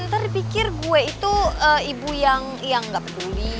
ntar dipikir gue itu ibu yang gak peduli